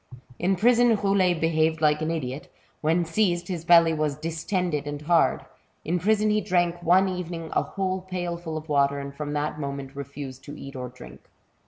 In prison, Roulet behaved like an idiot. When seized, his belly was distended and hard ; in prison he drank one evening a whole pailful of water, and from that moment refused to eat or drink.